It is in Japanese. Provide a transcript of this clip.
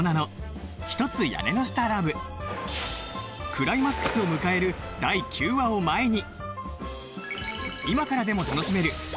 クライマックスを迎える第９話を前に